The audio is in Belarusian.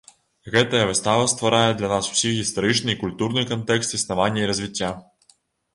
Гэтая выстава стварае для нас усіх гістарычны і культурны кантэкст існавання і развіцця.